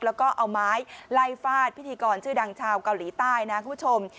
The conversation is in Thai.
แล้วก็เอาไม้ไล่ฟาดพิธีกรชื่อดังชาวเกาหลีใต้นะคุณผู้ชม